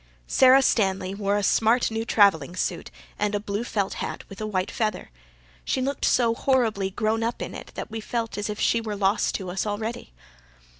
Sara Stanley wore a smart new travelling suit and a blue felt hat with a white feather. She looked so horribly grown up in it that we felt as if she were lost to us already.